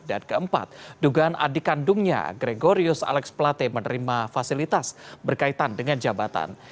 dan keempat dugaan adik kandungnya gregorius alex plate menerima fasilitas berkaitan dengan jabatan